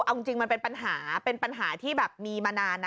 เอาจริงมันเป็นปัญหาเป็นปัญหาที่แบบมีมานานนะ